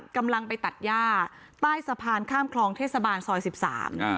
กำลังไปตัดย่าใต้สะพานข้ามคลองเทศบาลซอยสิบสามอ่า